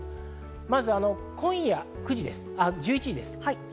まず、今夜１１時です。